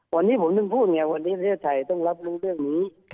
วันนี้ผมถึงพูดไงวันนี้ประเทศไทยต้องรับรู้เรื่องนี้